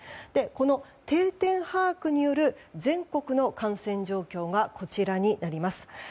この定点把握による全国の感染状況がこちらになります。